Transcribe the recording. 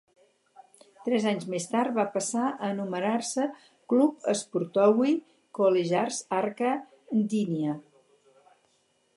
Tres anys més tard, va passar a anomenar-se "Klub Sportowy Kolejarz-Arka Gdynia".